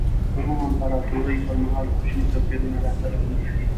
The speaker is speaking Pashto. په روم امپراتورۍ پر مهال کوچني توپیرونه را څرګندېږي.